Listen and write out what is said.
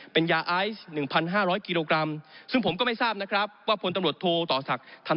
เป็นยาไอซ์๑๕๐๐กิโลกรัม